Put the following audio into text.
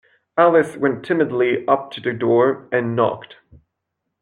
Alice went timidly up to the door, and knocked.